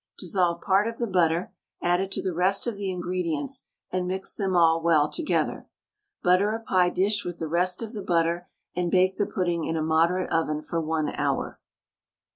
Dissolve part of the butter, add it to the rest of the ingredients, and mix them all well together. Butter a pie dish with the rest of the butter, and bake the pudding in a moderate oven for 1 hour.